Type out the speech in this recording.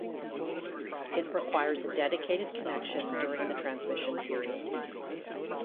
It requires a dedicated connection during the transmission period.